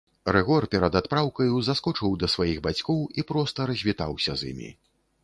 Рыгор перад адпраўкаю заскочыў да сваіх бацькоў і проста развітаўся з імі.